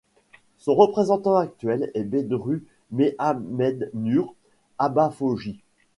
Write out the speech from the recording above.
Son représentant actuel est Bedru Mehamednur Abafogi.